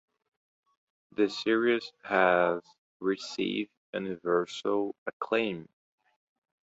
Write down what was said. The series has received universal acclaim.